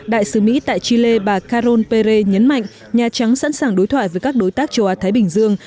đại sứ mỹ tại chile bà karon pere nhấn mạnh nhà trắng sẵn sàng đối thoại với các đối tác châu á thái bình dương